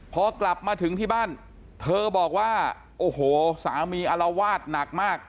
พอกลับมาถึงที่บ้านเธอบอกว่าโอ้โหสามีอารวาสหนักมาก